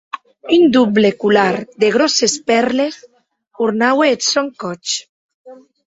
Un doble colar de gròsses pèrles ornaue eth sòn còth.